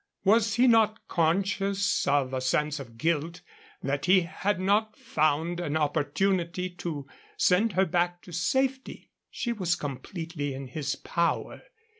Was he not conscious of a sense of guilt that he had not found an opportunity to send her back to safety? She was completely in his power.